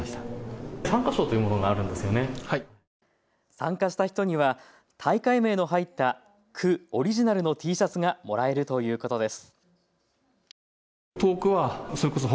参加した人には大会名の入った区オリジナルのＴシャツがもらえるということです。